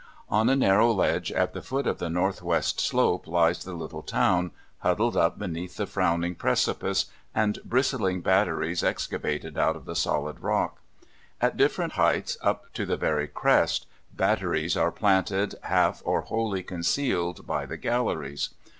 On a narrow ledge at the foot of the north west slope lies the little town, huddled up beneath the frowning precipice and bristling batteries excavated out of the solid rock. At different heights, up to the very crest, batteries are planted, half or wholly concealed by the galleries.